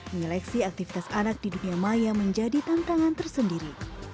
menyeleksi aktivitas anak di dunia maya menjadi tantangan tersendiri